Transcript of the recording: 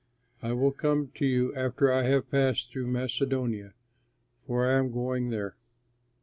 I will come to you after I have passed through Macedonia, for I am going there.